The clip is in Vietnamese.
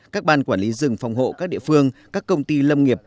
các ban quản lý rừng phòng hộ các địa phương các công ty lâm nghiệp